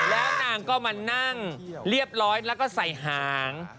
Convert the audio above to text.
แล้วนางก็มานั่งเรียบร้อยแล้วก็ใส่หาง